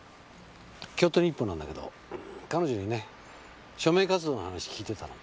京都日報なんだけど彼女にね署名活動の話聞いてたの。